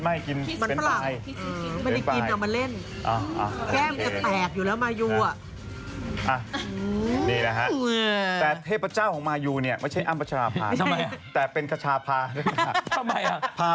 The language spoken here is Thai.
ไม่ให้มายูแล้วไม่ให้ใครกระทัดหมดดำ